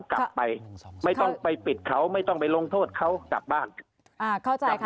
กลับไปไม่ต้องไปปิดเขาไม่ต้องไปลงโทษเขากลับบ้านอ่าเข้าใจนะคะ